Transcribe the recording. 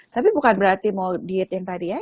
tapi bukan berarti mau diet yang tadi ya